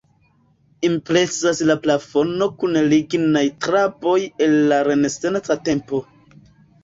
Impresas la plafono kun lignaj traboj el la renesanca tempo.